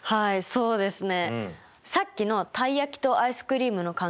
そうですね。